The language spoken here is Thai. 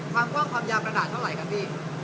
ความกว้างความยาวกระดาษเท่าไหร่ครับพี่